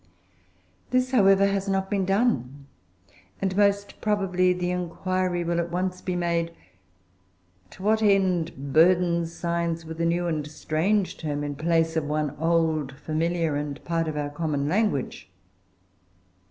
This, however, has not been done, and most probably the inquiry will at once be made To what end burden science with a new and strange term in place of one old, familiar, and part of our common language?